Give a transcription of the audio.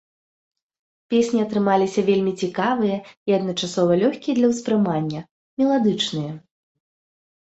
Песні атрымаліся вельмі цікавыя і адначасова лёгкія для ўспрымання, меладычныя.